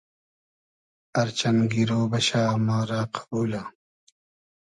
ار چئن گیرۉ بئشۂ ما رۂ قئبولۂ